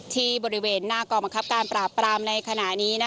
ที่บริเวณหน้าก้อมการการปรากปรามในขณะนี้นะคะ